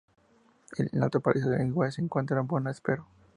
En Alto Paraíso de Goiás se encuentra Bona Espero.